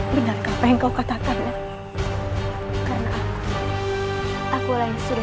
mereka menangkap rai prabu surawisesa dengan kejahatan yang tidak terlalu baik baik saja